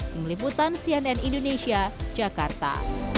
mengeliputan cnn indonesia jakarta